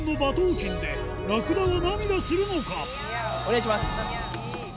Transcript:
お願いします！